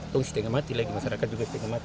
terus setengah mati lagi masyarakat juga setengah mati